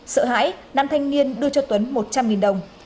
sợ hãi nam thanh niên đưa cho tuấn một trăm linh đồng